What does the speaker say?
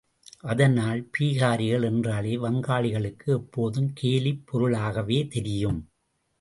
அதனால், பீகாரிகள் என்றாலே வங்காளிகளுக்கு எப்போதும் கேலிப் பொருளாகவே தெரியும்.